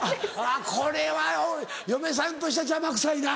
これは嫁さんとしては邪魔くさいな。